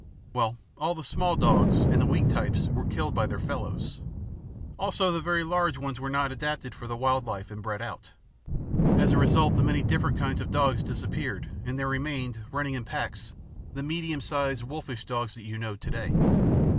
Well, all the small dogs, and the weak types, were killed by their fellows. Also, the very large ones were not adapted for the wild life and bred out. As a result, the many different kinds of dogs disappeared, and there remained, running in packs, the medium sized wolfish dogs that you know to day."